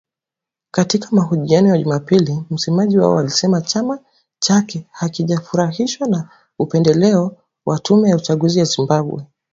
Katika mahojiano ya Jumapili ,msemaji wao alisema chama chake hakijafurahishwa na upendeleo wa tume ya uchaguzi ya Zimbabwe.